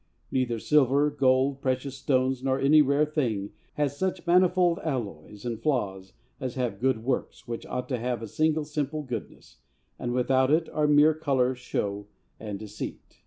Neither silver, gold, precious stones, nor any rare thing has such manifold alloys and flaws as have good works, which ought to have a single simple goodness, and without it are mere color, show and deceit.